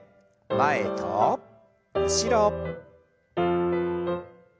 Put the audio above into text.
前と後ろ。